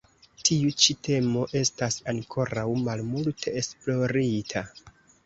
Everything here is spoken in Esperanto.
Tiu ĉi temo estas ankoraŭ malmulte esplorita.